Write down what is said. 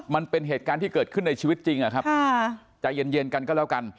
มันเป็นเหตุการณ์ที่เกิดขึ้นในชีวิตจริงอะครับใจเย็นกันก็แล้วกัน